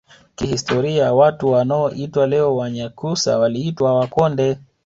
Kihistoria watu wanaoitwa leo Wanyakyusa waliitwa Wakonde